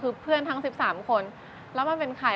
คือเพื่อนทั้ง๑๓คนแล้วมันเป็นใคร